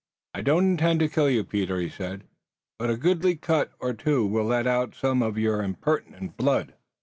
"I don't intend to kill you, Peter," he said, "but a goodly cut or two will let out some of your impertinent blood."